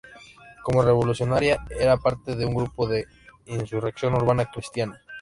Como revolucionaria, era parte de un grupo de insurrección urbana cristiana.